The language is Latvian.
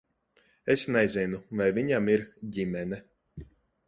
Es nezinu, vai viņam ir ģimene.